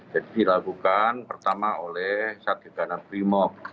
jadi dilakukan pertama oleh sat gagana primob